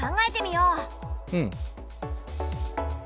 うん。